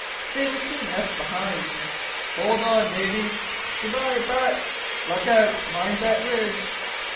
They were soon left behind. "Hold on, Davy!" "Good bye, Butts." "Look out, mind the ridge!"